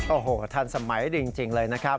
โอ้โหทันสมัยจริงเลยนะครับ